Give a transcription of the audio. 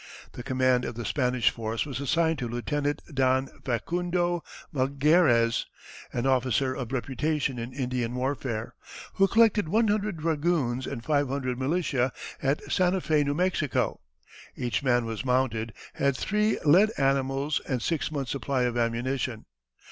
The command of the Spanish force was assigned to Lieutenant Don Facundo Malgares, an officer of reputation in Indian warfare, who collected one hundred dragoons and five hundred militia at Santa Fé, N. M. Each man was mounted, had three led animals and six months' supply of ammunition.